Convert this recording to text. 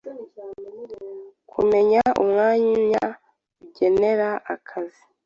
Kumenya umwanya ugenera akazi